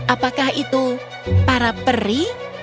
apakah itu para peri